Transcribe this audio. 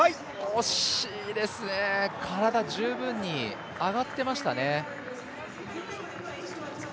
惜しいですね、体は十分に上がっていましたね。